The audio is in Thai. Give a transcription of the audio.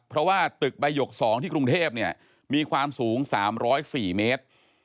เพราะว่าตึกใบหยก๒ที่กรุงเทพเนี่ยมีความสูง๓๐๔เมตร